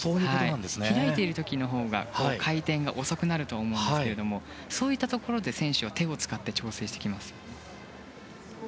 開いている時のほうが回転が遅くなると思いますがそういったところで選手は手を使って調整してきます。